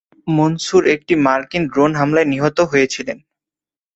মনসুর একটি মার্কিন ড্রোন হামলায় নিহত হয়েছিলেন।